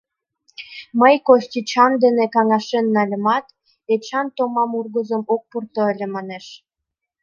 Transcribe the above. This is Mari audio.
Мый Костинчам дене каҥашен нальымат, Эчан томам ургызым ок пурто ыле, манеш.